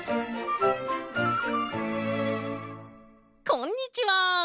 こんにちは！